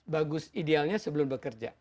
bagus idealnya sebelum bekerja